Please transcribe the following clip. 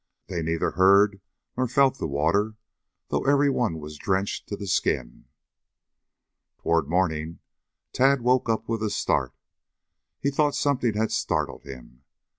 They neither heard nor felt the water, though every one was drenched to the skin. Toward morning Tad woke up with a start. He thought something had startled him.